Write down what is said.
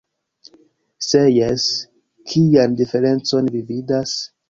Se jes, kian diferencon vi vidas?